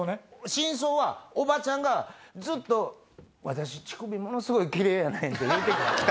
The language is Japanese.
真相はおばちゃんがずっと「私乳首ものすごいキレイやねん」って言うて来た。